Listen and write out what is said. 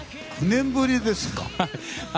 ９年ぶりですか。